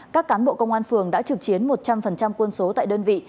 các cán bộ công an phường đã trực chiến một trăm linh quân số tại đơn vị